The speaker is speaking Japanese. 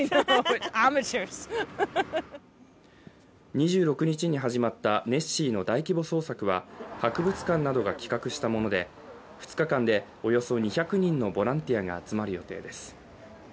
２６日に始まったネッシーの大規模捜索は博物館などが企画したもので２日間でおよそ２００人のボランティアが集まる予定です。